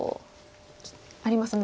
ありますね